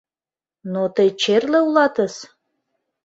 — Но тый черле улатыс.